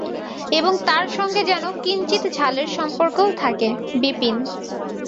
এবং তার সঙ্গে যেন কিঞ্চিৎ ঝালের সম্পর্কও থাকে– বিপিন।